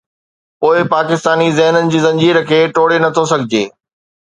پوءِ پاڪستاني ذهنن جي زنجير کي ٽوڙي نٿو سگهجي؟